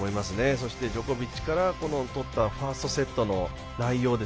そしてジョコビッチから取ったファーストセットの内容